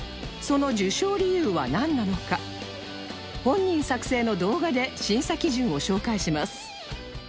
その受賞理由はなんなのか本人作成の動画で審査基準を紹介します